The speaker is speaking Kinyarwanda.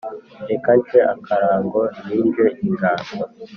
Reka nce akarago ninje inganzo